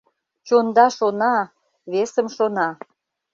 Чонда шона, весым шона.